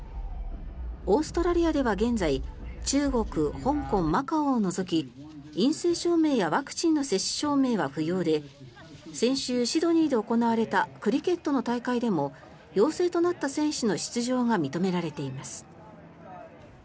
オーストラリアでは現在中国、香港、マカオを除き陰性証明やワクチンの接種証明は不要で先週、シドニーで行われたクリケットの大会でも陽性となった選手の出場が認められています。